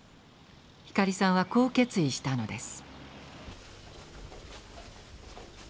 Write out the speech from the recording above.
光さんはこう決意したのです。